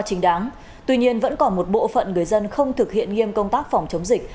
chính đáng tuy nhiên vẫn còn một bộ phận người dân không thực hiện nghiêm công tác phòng chống dịch